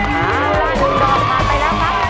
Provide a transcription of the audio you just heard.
เวลา๑ดอกมาไปแล้วครับ